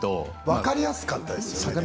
分かりやすかったですよね。